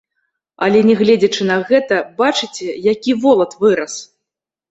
Але, нягледзячы на гэта, бачыце, які волат вырас.